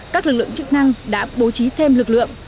các lực lượng chức năng đã bố trí thêm lực lượng